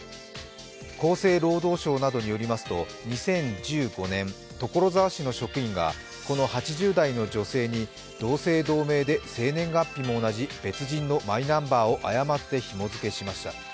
厚生労働省などによりますと２０１５年、所沢市の職員がこの８０代の女性に同姓同名で生年月日も同じ別人のマイナンバーを誤ってひも付けしました。